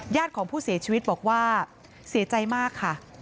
ของผู้เสียชีวิตบอกว่าเสียใจมากค่ะ